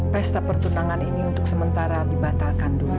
pesta pertunangan ini untuk sementara dibatalkan dulu